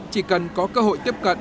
chỉ cần có cơ hội tiếp cận